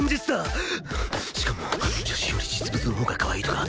しかも写真より実物のほうがかわいいとか。